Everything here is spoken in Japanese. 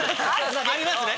ありますね？